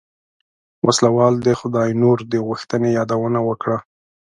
وسله وال د خداينور د غوښتنې يادونه وکړه.